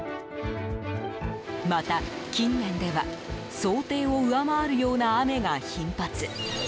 また、近年では想定を上回るような雨が頻発。